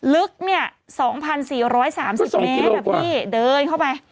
ลึก๒๔๓๐เมตรแบบนี้เดินเข้าไป